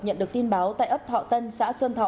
nhận được tin báo tại ấp thọ tân xã xuân thọ